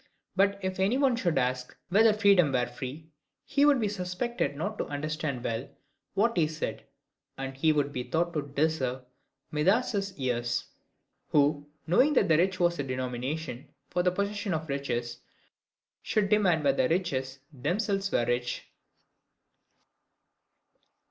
But if any one should ask, whether freedom were free, he would be suspected not to understand well what he said; and he would be thought to deserve Midas's ears, who, knowing that rich was a denomination for the possession of riches, should demand whether riches themselves were rich.